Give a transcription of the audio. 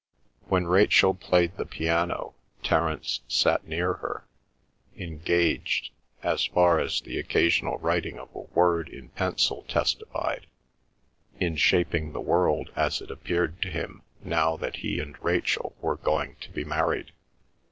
While Rachel played the piano, Terence sat near her, engaged, as far as the occasional writing of a word in pencil testified, in shaping the world as it appeared to him now that he and Rachel were going to be married.